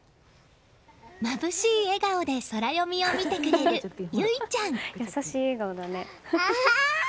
まぶしい笑顔でソラよみを見てくれる唯ちゃん。